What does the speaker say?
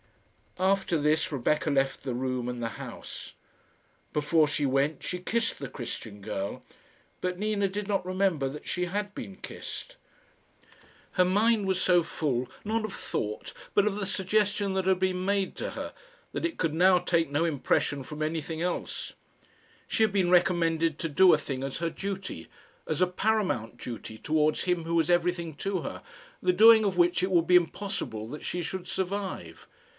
After this Rebecca left the room and the house. Before she went, she kissed the Christian girl; but Nina did not remember that she had been kissed. Her mind was so full, not of thought, but of the suggestion that had been made to her, that it could now take no impression from anything else. She had been recommended to do a thing as her duty as a paramount duty towards him who was everything to her the doing of which it would be impossible that she should survive.